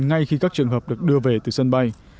ngay khi các trường hợp được đưa về từ sân bay